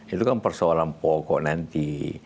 itu kan persoalan pokok nanti